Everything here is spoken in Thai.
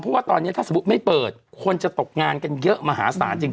เพราะว่าตอนนี้ถ้าสมมุติไม่เปิดคนจะตกงานกันเยอะมหาศาลจริง